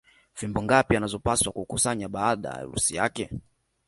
Fimbo ngapi anazopaswa kukusanya baada ya harusi yake